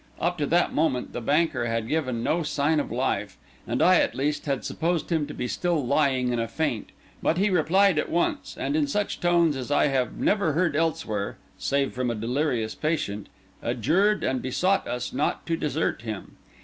Up to that moment the banker had given no sign of life, and I, at least, had supposed him to be still lying in a faint; but he replied at once, and in such tones as I have never heard elsewhere, save from a delirious patient, adjured and besought us not to desert him.